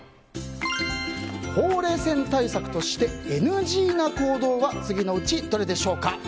ほうれい線対策としてＮＧな行動は次のうち、どれでしょうか？